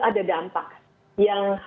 ada dampak yang